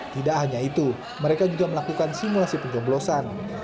tidak hanya itu mereka juga melakukan simulasi pencoblosan